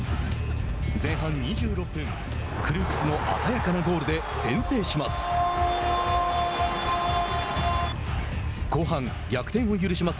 前半２６分、クルークスの鮮やかなゴールで先制します。